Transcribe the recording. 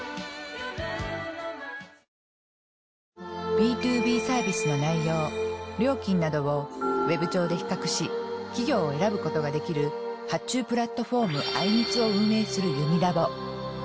ＢｔｏＢサービスの内容料金などをＷｅｂ上で比較し企業を選ぶことができる発注プラットフォームアイミツを運営するユニラボ。